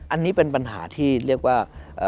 อันนี้เป็นปัญหาที่เรียกว่า